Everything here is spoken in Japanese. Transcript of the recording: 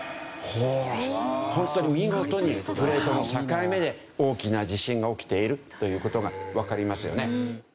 本当に見事にプレートの境目で大きな地震が起きているという事がわかりますよね。